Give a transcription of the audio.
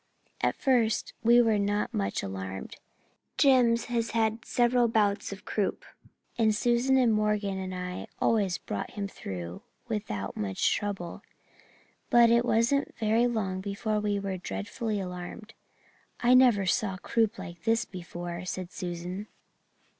At first we were not much alarmed. Jims has had several bouts of croup and Susan and Morgan and I have always brought him through without much trouble. But it wasn't very long before we were dreadfully alarmed. "'I never saw croup like this before,' said Susan.